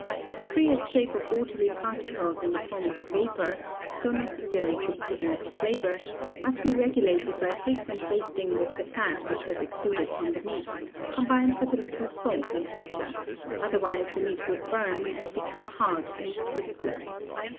The free escape of watery particles in the form of vapour, so necessary to produce flavour, must be regulated by frequent basting with the fat which has exuded from the meat, combined with a little salt and water otherwise the meat would burn, and become hard and tasteless.